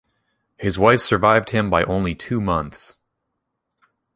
His wife survived him by only two months.